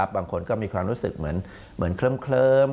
บางคนก็มีความรู้สึกเหมือนเคลิ้ม